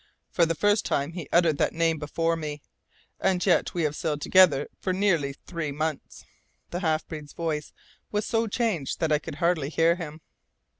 For the first time he uttered that name before me and yet we have sailed together for nearly three months." The half breed's voice was so changed that I could hardly hear him.